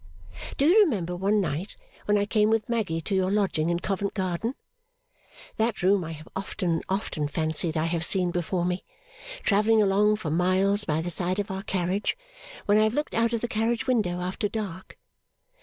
Do you remember one night when I came with Maggy to your lodging in Covent Garden? That room I have often and often fancied I have seen before me, travelling along for miles by the side of our carriage, when I have looked out of the carriage window after dark.